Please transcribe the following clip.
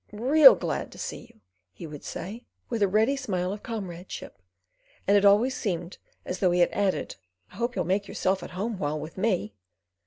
"Real glad to see you," he would say, with a ready smile of comradeship; and it always seemed as though he had added: "I hope you'll make yourself at home while with me."